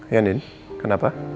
ya andin kenapa